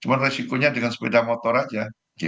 cuma resikonya dengan sepeda motor aja